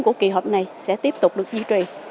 của kỳ họp này sẽ tiếp tục được duy trì